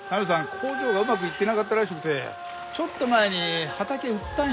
工場がうまくいってなかったらしくてちょっと前に畑売ったんよ。